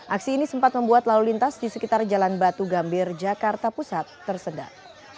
aksi ini sempat membuat lalu lintas di sekitar jalan batu gambir jakarta pusat tersedat